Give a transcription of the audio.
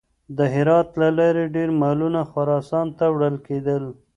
د هرات له لارې ډېر مالونه خراسان ته وړل کېدل.